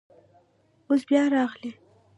اوس بیا راغلی.